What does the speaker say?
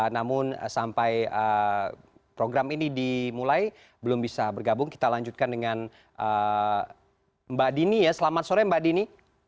namun sampai program ini dimulai belum bisa bergabung kita lanjutkan dengan mbak dini ya selamat sore mbak dini